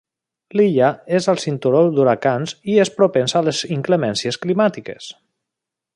L'illa és al cinturó d'huracans i és propensa a les inclemències climàtiques.